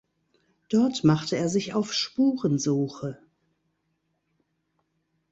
Dort macht er sich auf Spurensuche.